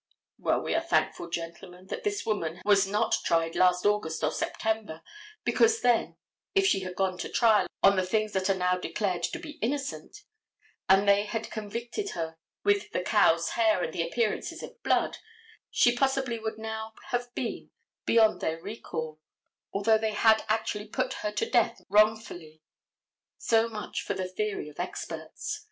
Well, we are thankful, gentlemen, that this woman was not tried last August or September, because then, if she had gone to trial on the things that are now declared to be innocent, and they had convicted her with the cow's hair and the appearances of blood, she possibly would now have been beyond their recall, although they had actually put her to death wrongfully. So much for the theory of experts.